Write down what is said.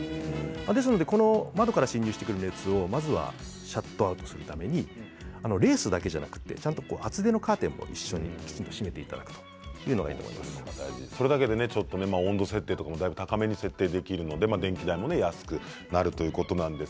ですので窓から侵入してくる熱をまずはシャットアウトするためにレースだけではなくて厚手のカーテンを一緒にきちんと閉めていただくというのがいいとそれだけで温度設定も高めに設定できるので電気代も安くなるということです。